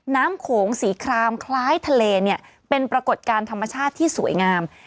โขงสีครามคล้ายทะเลเนี่ยเป็นปรากฏการณ์ธรรมชาติที่สวยงาม